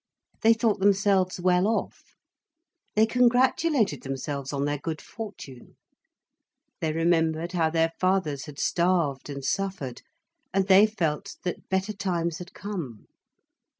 They thought themselves well off, they congratulated themselves on their good fortune, they remembered how their fathers had starved and suffered, and they felt that better times had come.